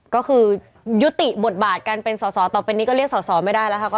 ก็คือยุติบทบาทการเป็นสอสอต่อไปนี้ก็เรียกสอสอไม่ได้แล้วค่ะ